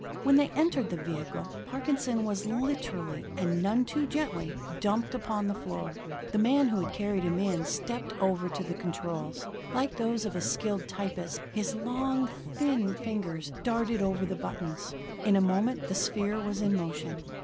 When they entered the vehicle, Parkinson was literally, and none too gently, dumped upon the floor. The man who had carried him stepped over to the controls. Like those of a skilled typist, his long, thin fingers darted over the buttons. In a moment the sphere was in motion.